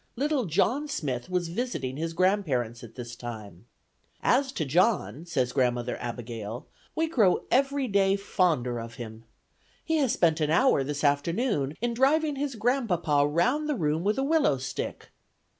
Little John Smith was visiting his grandparents at this time. "As to John," says Grandmother Abigail, "we grow every day fonder of him. He has spent an hour this afternoon in driving his grandpapa round the room with a willow stick."